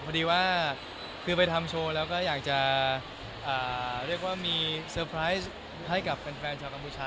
พอดีว่าคือไปทำโชว์แล้วก็อยากจะเรียกว่ามีเซอร์ไพรส์ให้กับแฟนชาวกัมพูชา